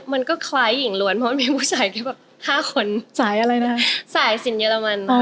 มันก็คล้ายหญิงล้วนเพราะมันมีผู้ชายที่แบบ๕คนสายอะไรนะสายสินเรมัน